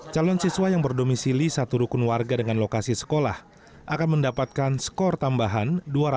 calon siswa yang berdomisili satu rukun warga dengan lokasi sekolah akan mendapatkan skor tambahan dua ratus